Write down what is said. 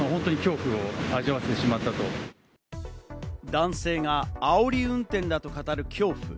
男性があおり運転だと語る恐怖。